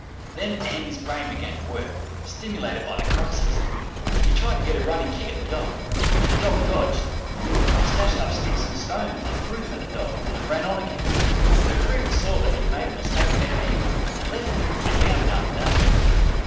Then Andy's brain began to work, stimulated by the crisis: he tried to get a running kick at the dog, but the dog dodged; he snatched up sticks and stones and threw them at the dog and ran on again. The retriever saw that he'd made a mistake about Andy, and left him and bounded after Dave.